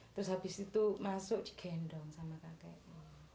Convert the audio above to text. terus abis itu masuk digendong sama kakeknya